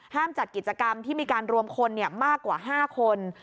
จัดกิจกรรมที่มีการรวมคนมากกว่า๕คน